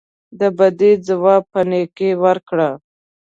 د بدۍ ځواب په نیکۍ ورکړه.